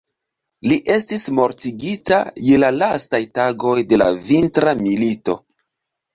Li estis mortigita je la lastaj tagoj de la Vintra milito.